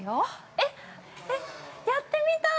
◆えっえっ、やってみたーい。